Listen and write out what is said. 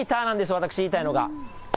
私、言いたいのが。